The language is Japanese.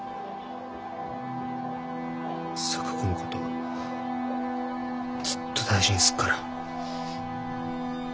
咲子のことずっと大事にすっから。